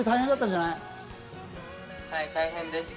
はい大変でした。